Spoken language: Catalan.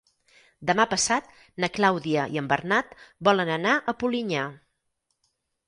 Demà passat na Clàudia i en Bernat volen anar a Polinyà.